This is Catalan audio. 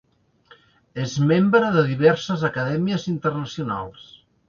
És membre de diverses acadèmies internacionals.